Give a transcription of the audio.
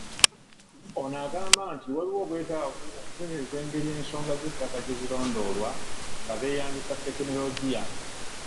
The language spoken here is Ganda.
Ono agamba nti waliwo obwetaavu okutereeza engeri ensonga z'ettaka gye zirondoolwa nga beeyambisa tekinologiya.